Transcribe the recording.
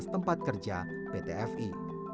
tempat kerja pt fi